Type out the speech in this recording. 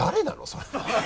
それは。